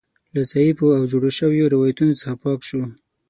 له ضعیفو او جوړو شویو روایتونو څخه پاک شو.